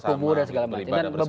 berkumpul dan segala macam